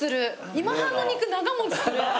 今半の肉長持ちする。